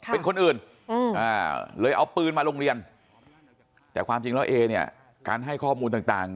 เป็นคนอื่นเลยเอาปืนมาโรงเรียนแต่ความจริงแล้วเอเนี่ยการให้ข้อมูลต่าง